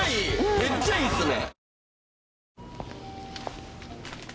めっちゃいいですね！